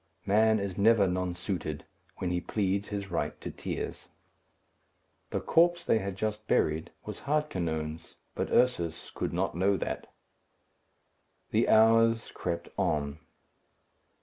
Man is never nonsuited when he pleads his right to tears. The corpse they had just buried was Hardquanonne's; but Ursus could not know that. The hours crept on.